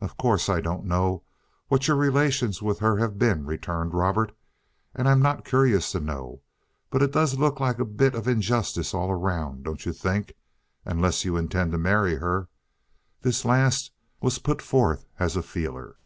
"Of course I don't know what your relations with her have been," returned Robert, "and I'm not curious to know, but it does look like a bit of injustice all around, don't you think—unless you intend to marry her?" This last was put forth as a feeler.